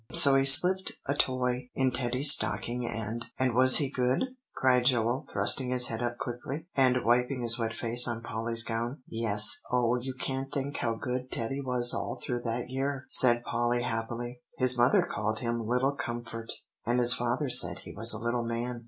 So he slipped a toy in Teddy's stocking and" "And was he good?" cried Joel, thrusting his head up quickly, and wiping his wet face on Polly's gown. "Yes; oh, you can't think how good Teddy was all through that year!" said Polly happily. "His mother called him 'Little Comfort,' and his father said he was a little man."